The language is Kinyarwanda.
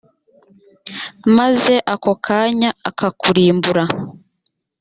maze ako kanya akakurimbura.